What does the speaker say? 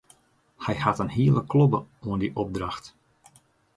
Hy hat in hiele klobbe oan dy opdracht.